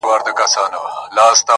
o مار هم په دښمن مه وژنه٫